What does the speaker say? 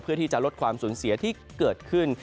ที่จะลดความสูญเสียที่เกิดขึ้น